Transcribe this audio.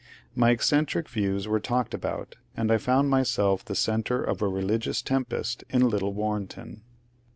My eccentric views were talked about, and I foimd myself the centre of a religious tempest in little Warrenton.